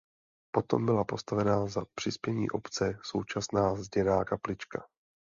Potom byla postavena za přispění obce současná zděná kaplička.